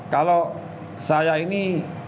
kalau saya ini